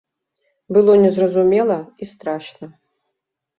Было незразумела і страшна.